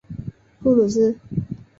布鲁斯。